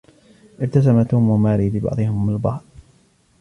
ابتسم توم و ماري لبعضهم البعض.